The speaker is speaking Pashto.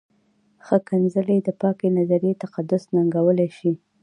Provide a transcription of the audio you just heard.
ښکنځلې د پاکې نظریې تقدس ننګولی شي.